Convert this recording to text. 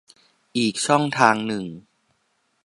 อีกช่องทางหนึ่ง